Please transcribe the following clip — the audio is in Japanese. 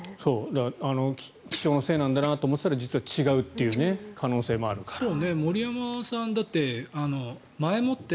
だから、気象のせいなんだなと思っていたら実は違う可能性もあるから。